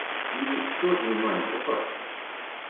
І што ж мы маем па факце?